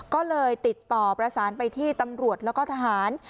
ก็เลยติดต่อประสานไปที่ตำรวจแล้วก็ทหาร